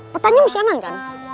petanya masih aman kan